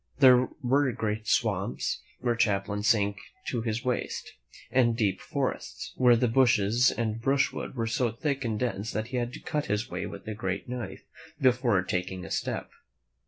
There were great swamps, where Champlain sank to his waist; and deep forests, where the bushes and brushwood were so thick and dense that he had to cut his way with a great knife before taking a step.